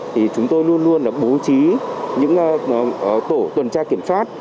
thì chúng tôi luôn luôn bố trí những tổ tuần tra kiểm soát